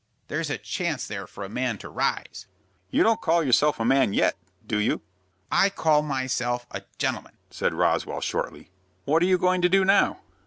There's a chance there for a man to rise." "You don't call yourself a man yet, do you?" "I call myself a gentleman," said Roswell, shortly. "What are you going to do now?"